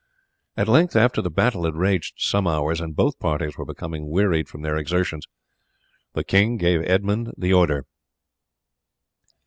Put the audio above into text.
At length, after the battle had raged some hours, and both parties were becoming wearied from their exertions, the king gave Edmund the order.